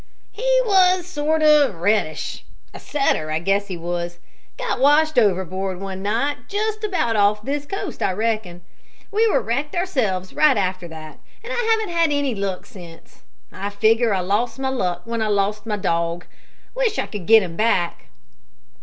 "He was sort of reddish a setter I guess he was. Got washed overboard one night just about off this coast I reckon. We were wrecked ourselves right after that, and I haven't had any luck since. I figger I lost my luck when I lost my dog. Wish I could get him back!"